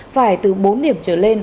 phải từ bốn điểm trở lên